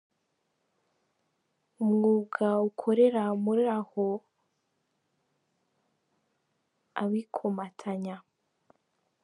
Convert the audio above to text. umwuga ukorera Muri aho abikomatanya.